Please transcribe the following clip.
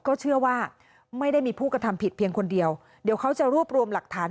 ก็เชื่อว่าไม่ได้มีผู้กระทำผิดเพียงคนเดียวเดี๋ยวเขาจะรวบรวมหลักฐาน